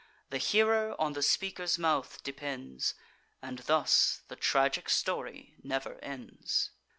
The hearer on the speaker's mouth depends, And thus the tragic story never ends.